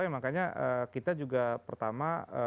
makanya kita juga pertama